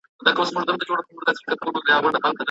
پرمختللي هېوادونه د نوښت په برخه کي مخکښ پاته کېږي.